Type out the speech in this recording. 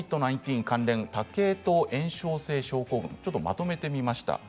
関連多系統炎症性症候群ちょっとまとめてみました。